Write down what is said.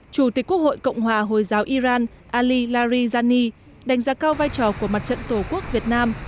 chủ tịch quốc hội cộng hòa hồi giáo iran ali larijani đánh giá cao vai trò của mặt trận tổ quốc việt nam